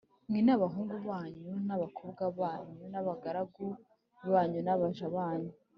mwe n abahungu banyu n abakobwa banyu n abagaragu banyu n abaja banyu